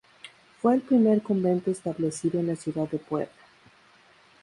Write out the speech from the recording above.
Fue el primer convento establecido en la ciudad de Puebla.